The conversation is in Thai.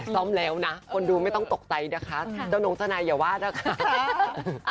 ซ่อมแล้วนะคนดูไม่ต้องตกใจนะคะเจ้าน้องสนายอย่าว่านะคะ